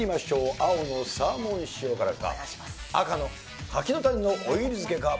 青のサーモン塩辛か、赤の柿の種のオイル漬けか。